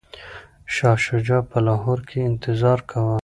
شاه شجاع په لاهور کي انتظار کاوه.